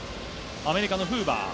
アメリカのフーバー。